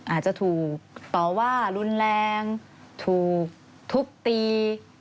อาจจะถูกต่อว่ารุนแรงถูกทุบตี